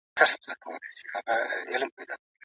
که د ټولنې د انډول نمونې موجودې وې، نو پوهیدل به آسانه سي.